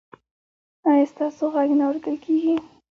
ایا ستاسو غږ نه اوریدل کیږي؟